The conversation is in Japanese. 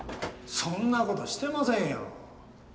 ・そんなことしてませんよ。